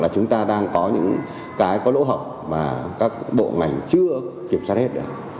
chúng ta đang có những cái có lỗ hỏng mà các bộ ngành chưa kiểm soát hết được